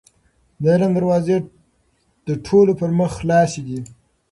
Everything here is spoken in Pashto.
د علم دروازې د ټولو پر مخ خلاصې دي.